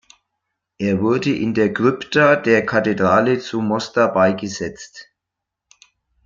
Er wurde in der Krypta der Kathedrale zu Mostar beigesetzt.